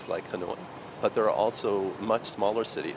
và cũng được tham gia rất tốt